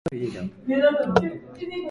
バレンシア県の県都はバレンシアである